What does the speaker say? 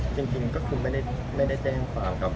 จริงก็คือไม่ได้แจ้งความครับ